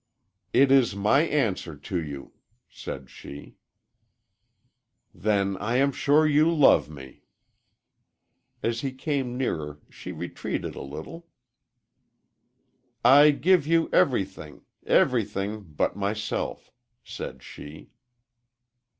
"It is my answer to you," said she. "Then I am sure you love me." As he came nearer she retreated a little. "I give you everything everything but myself," said she.